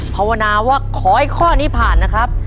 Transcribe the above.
ภาวนาว่าขอให้ข้อนี้ผ่านนะครับ